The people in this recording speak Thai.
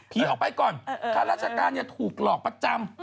ผีออกไปก่อนคนราชการเนี่ยถูกหลอกประจำ